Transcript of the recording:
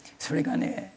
それがね